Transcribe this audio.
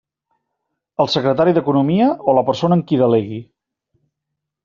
El secretari d'Economia o la persona en qui delegui.